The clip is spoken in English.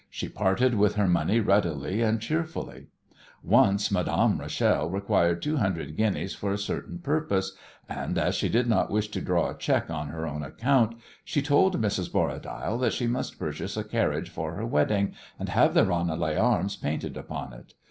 She parted with her money readily and cheerfully. Once Madame Rachel required two hundred guineas for a certain purpose, and, as she did not wish to draw a cheque on her own account, she told Mrs. Borradaile that she must purchase a carriage for her wedding, and have the Ranelagh arms painted upon it.